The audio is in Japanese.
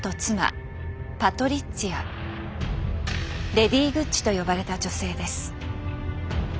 レディー・グッチと呼ばれた女性です。